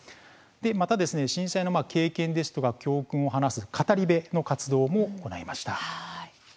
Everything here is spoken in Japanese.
また震災の経験や教訓を話す語り部の活動も行いました。